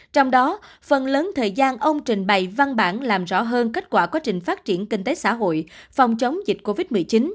trong đó phần lớn thời gian ông trình bày văn bản làm rõ hơn kết quả quá trình phát triển kinh tế xã hội phòng chống dịch covid một mươi chín